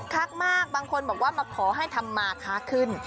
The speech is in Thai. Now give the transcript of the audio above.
คือคักมากบางคนบอกว่ามาขอให้ธรรมาคะขึ้น